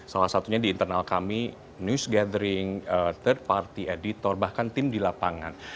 salah satunya di internal kami news gathering third party editor bahkan tim di lapangan